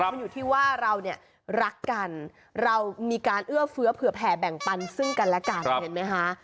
มันอยู่ที่ว่าเราเนี่ยรักกันเรามีการเอื้อเฟื้อเผื่อแผ่แบ่งปันซึ่งกันและกันเห็นไหมคะ